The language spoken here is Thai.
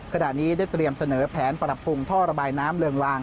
ขณะนี้ได้เตรียมเสนอแผนปรับปรุงท่อระบายน้ำเริงลาง